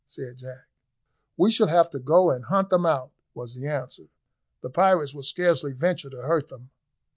said Jack. "We shall have to go and hunt them out," was the answer. "The pirates will scarcely venture to hurt them."